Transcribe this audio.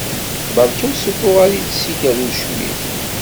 Barka ur d-ssufuɣ ara iles-ik ay ucmit!